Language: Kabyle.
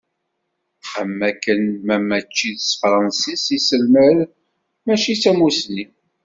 Am wakken ma mačči s tefransist i yesselmad mačči d tamussni.